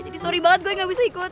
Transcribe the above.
jadi sorry banget gue gak bisa ikut